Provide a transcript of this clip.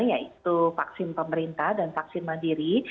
yaitu vaksin pemerintah dan vaksin mandiri